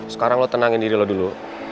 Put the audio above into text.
sekarang lo tenangin diri lo dulu